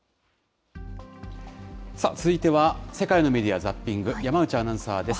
続いては世界のメディア・ザッピング、山内アナウンサーです。